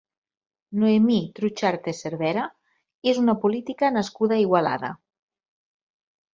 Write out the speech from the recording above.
Noemí Trucharte Cervera és una política nascuda a Igualada.